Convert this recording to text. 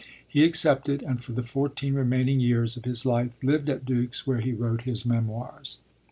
He accepted, and for the fourteen remaining years of his life lived at Dux, where he wrote his Memoirs.